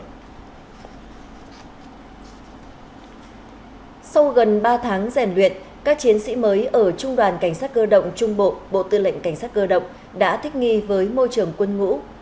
sau gần ba tháng rèn luyện các chiến sĩ mới ở trung đoàn cảnh sát cơ động trung bộ bộ tư lệnh cảnh sát cơ động đã thích nghi với môi trường quân ngũ